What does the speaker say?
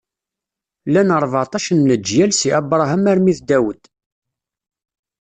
Llan ṛbeɛṭac n leǧyal si Abṛaham armi d Dawed.